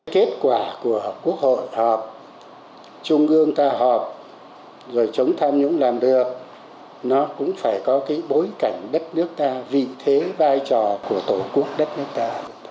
kết quả của quốc hội họp trung ương ta họp rồi chống tham nhũng làm được nó cũng phải có cái bối cảnh đất nước ta vị thế vai trò của tổ quốc đất nước ta